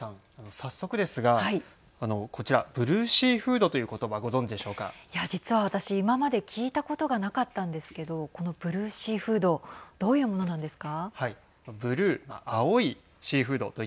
早速ですがこちら、ブルーシーフードといういや、実は私今まで聞いたことがなかったんですけどこのブルーシーフードどういうものなんですか。